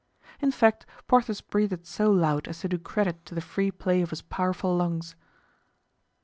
In fact, Porthos breathed so loud as to do credit to the free play of his powerful lungs.